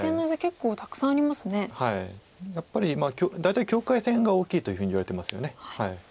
やっぱり大体境界線が大きいというふうにいわれてますよね。